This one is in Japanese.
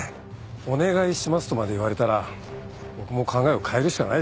「お願いします」とまで言われたら僕も考えを変えるしかないでしょう。